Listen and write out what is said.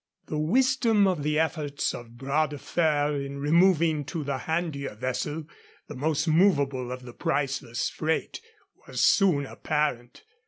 The wisdom of the efforts of Bras de Fer in removing to the handier vessel the most movable of the priceless freight was soon apparent.